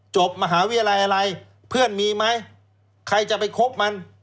จบมหาวิทยาลัยอะไรเพื่อนมีไหมใครจะไปคบมัน